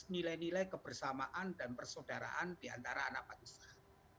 nilai nilai kebersamaan dan persaudaraan di antara anak anak usaha